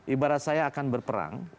ibarat saya akan berperang